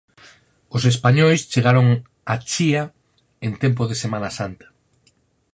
Os españois chegaron a Chía en tempo de Semana Santa.